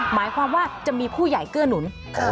หมายความว่าจะมีผู้ใหญ่เกื้อหนุน